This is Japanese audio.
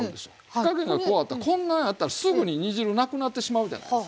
火加減がこうあったらこんなんやったらすぐに煮汁なくなってしまうじゃないですか。